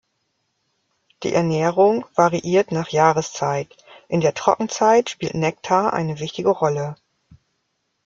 Die Ernährung variiert nach Jahreszeit, in der Trockenzeit spielt Nektar eine wichtige Rolle.